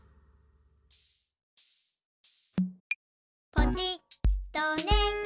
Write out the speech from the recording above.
「ポチッとね」